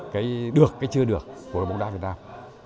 cái được cái chưa được của bóng đá việt nam